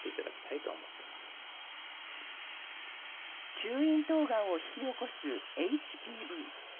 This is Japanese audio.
中咽頭がんを引き起こすＨＰＶ。